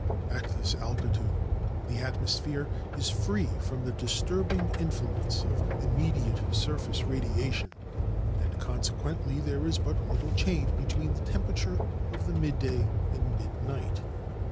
At this altitude the atniosphere is free from the disturbing influence of immediate surface radiation, and con sequently there is but little change between the temperature of midday and midnight.